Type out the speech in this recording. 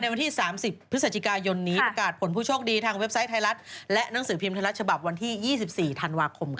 ไม่นะไม่เคยเจอเขาอารวาสเลยพี่เล่นละครด้วยกัน